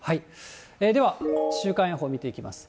では、週間予報見ていきます。